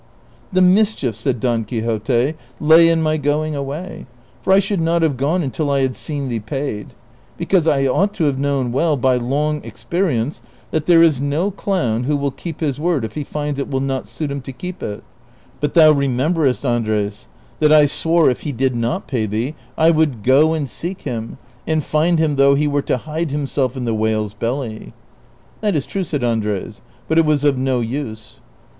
a ' The mischief," said Don Quixote, <' lay in my going away ; for I should not have gone until I had seen thee paid ; because I ought to have known well by long experience that there is no clown who Avill keep his word if he finds it will not suit him to keep it ; but thou rememberest, Andres, tliat I swore if he did not pay thee I would go and seek him, and find him though he were to hide himself in the whale's belly." " That is true," said Andres ;" but it was of no use."